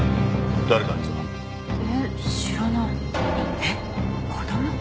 えっ子供？